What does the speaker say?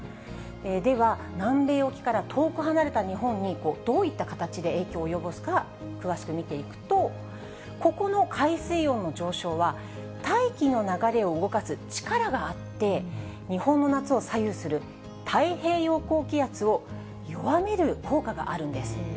では、南米沖から遠く離れた日本に、どういった形で影響を及ぼすか、詳しく見ていくと、ここの海水温の上昇は、大気の流れを動かす力があって、日本の夏を左右する太平洋高気圧を弱める効果があるんです。